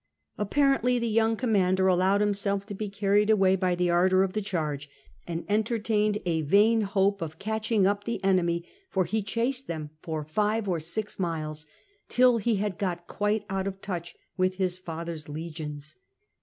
Apparently the young commander allowed himself to be carried away by the ardour of the charge, and entertained a vain hope of catching up the enemy, for he chased them for five or six miles, till he had got quite out of touch with his father's legions.